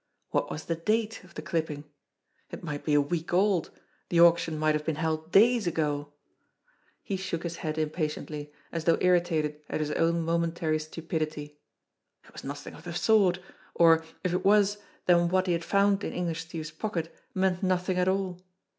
What was the date of the clipping? It might be a week old ; the auction might have been held days ago ! He 176 A DEVIL'S ALIBI 177 shook his head impatiently, as though irritated at his own momentary stupidity. It was nothing of the sort; or, if it was, then what he had found in English Steve's pocket meant nothing at all.